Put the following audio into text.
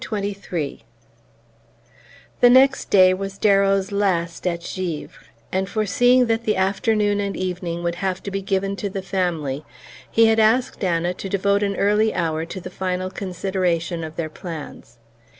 BOOK IV XXIII The next day was Darrow's last at Givre and, foreseeing that the afternoon and evening would have to be given to the family, he had asked Anna to devote an early hour to the final consideration of their plans.